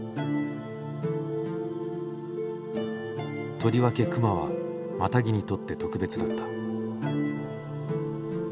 とりわけ熊はマタギにとって特別だった。